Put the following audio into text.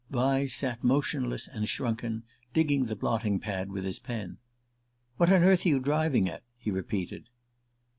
Vyse sat motionless and shrunken, digging the blotting pad with his pen. "What on earth are you driving at?" he repeated.